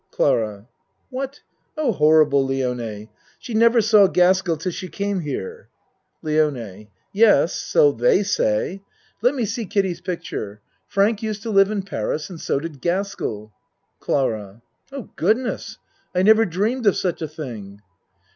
CLARA What? Oh, horrible, Lione. She nev er saw Gaskell till she came here. LIONE Yes, so they say. Let me see Kiddie's ACT II 51 picture. Frank used to live in Paris, and so did Gaskell. CLARA Oh, Goodness! I never dreamed of such a thing.